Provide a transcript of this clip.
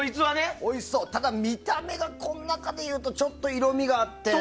ただ、見た目がこの中で言うとちょっと色味があって。